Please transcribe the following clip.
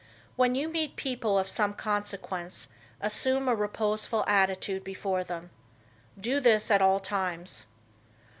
When you meet people of some consequence, assume a reposeful attitude before them. Do this at all times.